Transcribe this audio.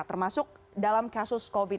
termasuk dalam kasus covid sembilan belas